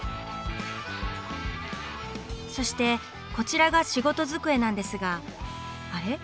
そしてこちらが仕事机なんですがあれ？